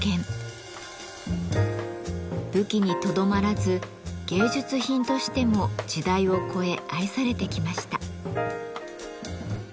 武器にとどまらず芸術品としても時代を越え愛されてきました。